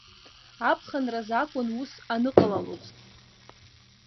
Аԥхынраз акәын ус аныҟалалоз.